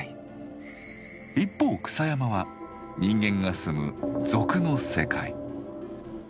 一方草山は人間が住む「俗」の世界。